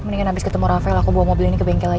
mendingkan abis kita pakai mobil ke bengkel aja deh